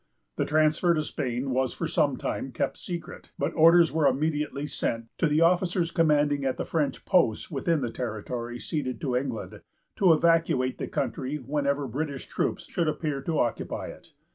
This transfer to Spain was for some time kept secret; but orders were immediately sent to the officers commanding at the French posts within the territory ceded to England, to evacuate the country whenever British troops should appear to occupy it.